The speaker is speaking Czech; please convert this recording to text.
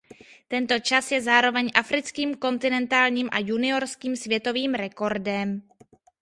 Tento čas je zároveň africkým kontinentálním a juniorským světovým rekordem.